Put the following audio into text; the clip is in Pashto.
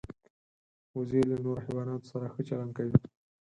وزې له نورو حیواناتو سره ښه چلند کوي